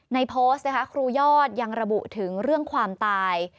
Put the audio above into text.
โพสต์นะคะครูยอดยังระบุถึงเรื่องความตาย